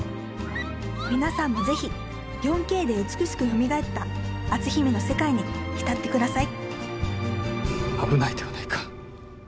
皆さんも是非４Ｋで美しくよみがえった「篤姫」の世界に浸ってください危ないではないか。